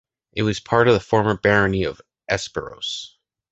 It was part of the former Barony of Esparros.